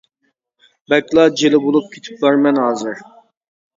بەكلا جىلە بولۇپ كېتىپ بارىمەن ھازىر.